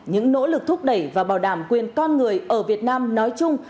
có thấy những nỗ lực thúc đẩy và bảo đảm quyền con người ở việt nam nói chung